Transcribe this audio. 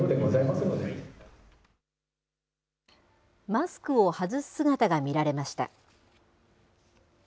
マスクを外す姿が見られました。